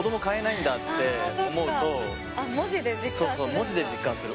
文字で実感する。